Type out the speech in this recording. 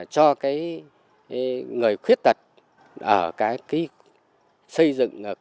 cho cái người khuyết tật ở cái xây dựng